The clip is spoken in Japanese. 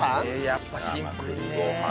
やっぱシンプルにね。